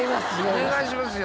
お願いしますよ。